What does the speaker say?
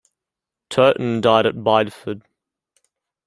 Turton died at Bideford.